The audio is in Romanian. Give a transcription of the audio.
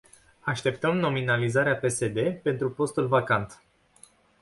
Așteptăm nominalizarea pe se de pentru postul vacant.